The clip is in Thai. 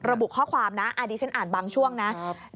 ระบุข้อความนะอาร์ดีเซ็นต์อ่านบางช่วงนะครับ